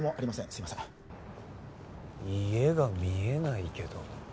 すいません家が見えないけど